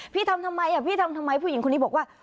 พี่ทำทำไมพี่ทำทำไมผู้หญิงคนนี้บอกว่า